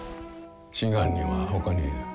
真犯人はほかにいる。